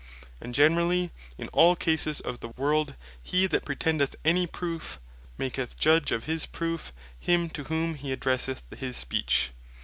And generally in all cases of the world, hee that pretendeth any proofe, maketh Judge of his proofe him to whom he addresseth his speech.